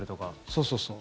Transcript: そうそうそう。